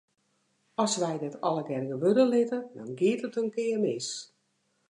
As wy dit allegear gewurde litte, dan giet it in kear mis.